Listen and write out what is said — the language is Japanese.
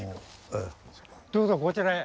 どうぞこちらへ。